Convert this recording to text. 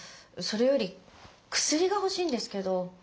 それより薬が欲しいんですけど。